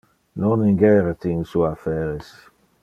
Non ingere te in su affaires.